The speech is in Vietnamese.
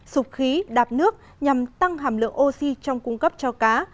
sụp khí đạp nước nhằm tăng hàm lượng oxy trong cung cấp cho cá